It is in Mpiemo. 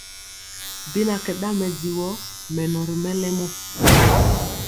Bi na kɛ ɗaŋ mɛdivɔ mɛnɔ ri mɛlɛmɔ.